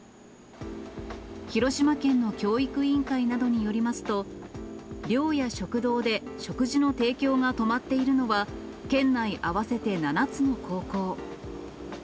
広島県の教育委員会などによりますと、寮や食堂で食事の提供が止まっているのは、県内合わせて７つの高校。